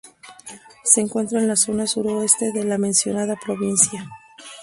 Se encuentra en la zona suroeste de la mencionada provincia.